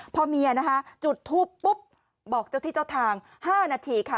พอเมียนะคะจุดทูปปุ๊บบอกเจ้าที่เจ้าทาง๕นาทีค่ะ